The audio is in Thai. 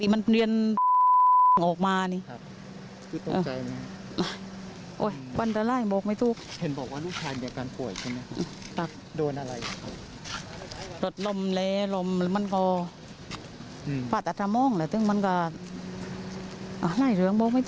ไม่อยากขอโทษเลยก็ขอโทษเขาไม่เตรียม